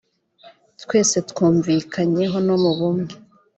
twese twumvikanyeho no mu bumwe